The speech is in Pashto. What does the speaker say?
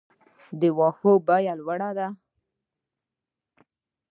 د واښو بیه لوړه ده؟